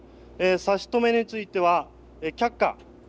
差し止めについては却下。